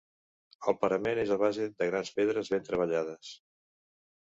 El parament és a base de grans pedres ben treballades.